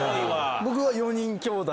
僕は４人きょうだい。